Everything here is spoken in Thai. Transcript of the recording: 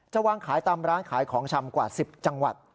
วางขายตามร้านขายของชำกว่า๑๐จังหวัด